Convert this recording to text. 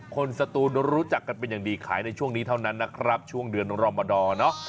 สตูนรู้จักกันเป็นอย่างดีขายในช่วงนี้เท่านั้นนะครับช่วงเดือนรมดอร์เนาะ